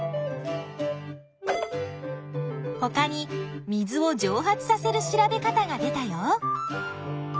ほかに水を蒸発させる調べ方が出たよ。